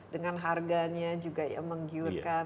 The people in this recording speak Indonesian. dengan harganya juga menggiurkan